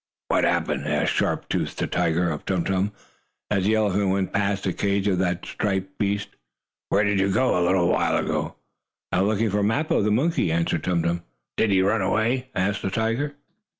"What happened?" asked Sharp Tooth, the tiger, of Tum Tum, as the elephant went past the cage of the striped beast. "Where did you go a little while ago?" "Out looking for Mappo, the monkey," answered Tum Tum. "Did he run away?" asked the tiger.